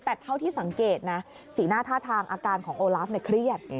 แต่เท่าที่สังเกตนะสีหน้าท่าทางอาการของโอลาฟเครียด